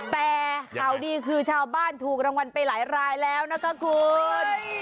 แต่ข่าวดีคือชาวบ้านถูกรางวัลไปหลายรายแล้วนะคะคุณ